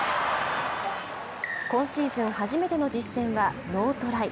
今シーズン初めての実戦はノートライ。